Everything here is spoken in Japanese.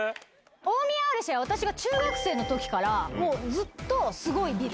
大宮アルシェは私が中学生の時からもうずっとすごいビル。